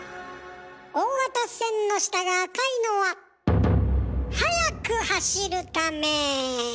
大型船の下が赤いのは速く走るため。